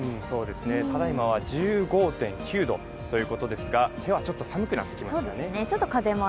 ただいまは１５．９度ということですが、今日はちょっと寒くなってきましたね。